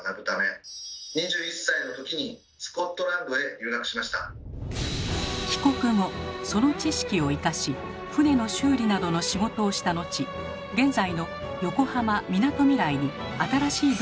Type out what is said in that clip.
龍吉は帰国後その知識を生かし船の修理などの仕事をした後現在の横浜みなとみらいに新しいドックを造るべく尽力。